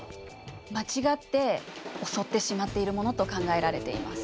間違って襲ってしまっているものと考えられています。